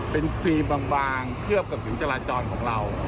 เป็นตีมร่างเคลือบกับศรีจราจรของเรา